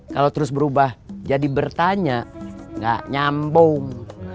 kalau terus berubah jadi bertanya nggak nyambung